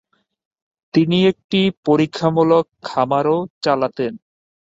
তিনি একটি পরীক্ষামূলক খামারও চালাতেন।